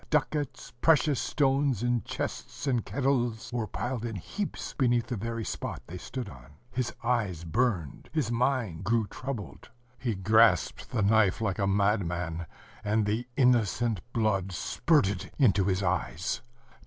Ducats, precious stones in chests and kettles, were piled in heaps beneath the very spot they stood on. His eyes burned, ... his mind grew troubled. ... He grasped the knife like a madman, and the innocent blood spurted into his eyes.